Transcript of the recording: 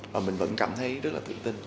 và mình vẫn cảm thấy rất là tự tin